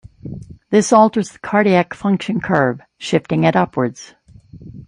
This alters the cardiac function curve, shifting it upwards.